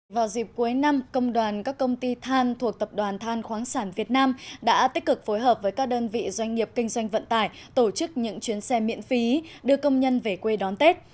vào dịp cuối năm công đoàn các công ty than thuộc tập đoàn than khoáng sản việt nam đã tích cực phối hợp với các đơn vị doanh nghiệp kinh doanh vận tải tổ chức những chuyến xe miễn phí đưa công nhân về quê đón tết